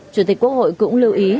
chủ tịch quốc hội cũng lưu ý